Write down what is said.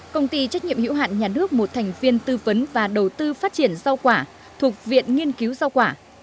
công ty trách nhiệm hữu hạn nhà nước một thành viên tư vấn và đầu tư phát triển rau quả thuộc viện nghiên cứu rau quả